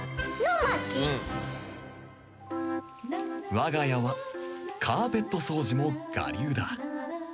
わが家はカーペット掃除も我流だ